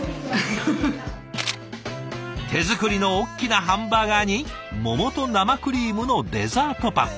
手作りの大きなハンバーガーに桃と生クリームのデザートパン。